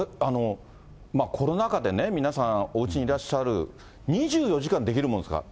コロナ禍でね、皆さん、おうちにいらっしゃる、２４時間できるものですか？